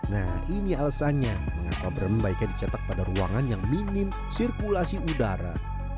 nah ini alasannya mengapa brem baiknya dicetak pada ruangan yang minim sirkulasi udara